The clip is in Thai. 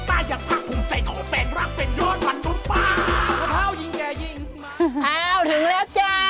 ทำให้มันลำบากเข้าไว้